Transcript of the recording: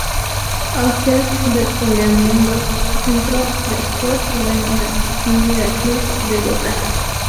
Asturias de Oreamuno, Centro de Sport y Veracruz de Dota.